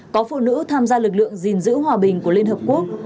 có phụ nữ tham gia lực lượng gìn giữ hòa bình của liên hợp quốc